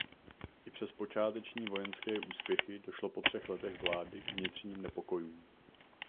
I přes počáteční vojenské úspěchy došlo po třech letech vlády k vnitřním nepokojům.